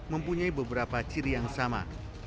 mempunyai beberapa ciri yang sama